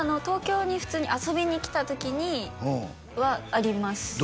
東京に普通に遊びに来た時にはあります